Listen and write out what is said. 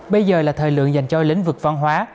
bây giờ là thời lượng dành cho lĩnh vực văn hóa